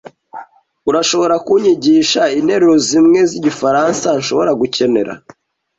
Urashobora kunyigisha interuro zimwe zigifaransa nshobora gukenera?